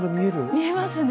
見えますね。